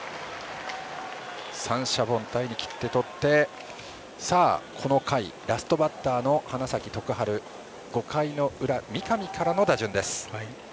三者凡退にきってとってこの回ラストバッターの花咲徳栄５回の裏、三上からの打順です。